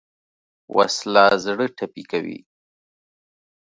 وسله زړه ټپي کوي